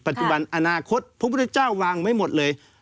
ปัจจุบันอนาคตพระพุทธเจ้าวางไว้หมดเลย